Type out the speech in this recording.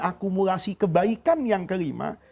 akumulasi kebaikan yang kelima